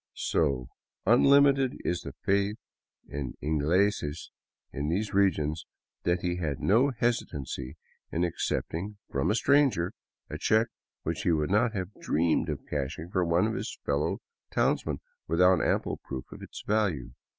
So unlimited is the faith in " ingleses " in these regions that he had no hesitancy in accepting from a stranger a check which he would not have dreamed of cashing for one of his fellow townsmen without ample proof of its value.